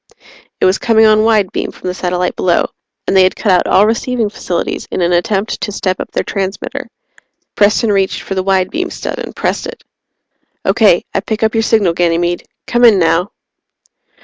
It was coming on wide beam from the satellite below and they had cut out all receiving facilities in an attempt to step up their transmitter. Preston reached for the wide beam stud, pressed it. "Okay, I pick up your signal, Ganymede. Come in, now!"